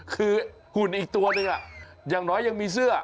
คือหุ่นอีกตัวหนึ่งอย่างน้อยยังมีเสื้อ